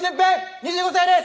２５歳です